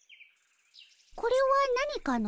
これは何かの？